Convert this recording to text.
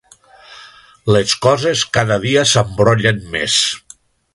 Les coses cada dia s'embrollen més.